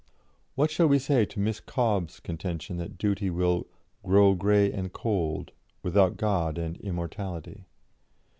"What shall we say to Miss Cobbe's contention that duty will 'grow grey and cold' without God and immortality?